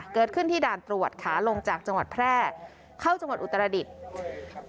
เกิดขึ้นที่ด่านตรวจขาลงจากจังหวัดแพร่เข้าจังหวัดอุตรดิษฐ์